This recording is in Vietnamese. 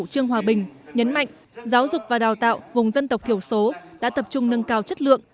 trương hòa bình nhấn mạnh giáo dục và đào tạo vùng dân tộc thiểu số đã tập trung nâng cao chất lượng